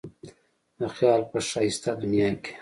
د خیال په ښایسته دنیا کې.